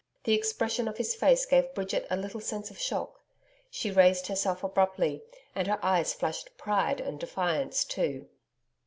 The expression of his face gave Bridget a little sense of shock. She raised herself abruptly, and her eyes flashed pride and defiance too.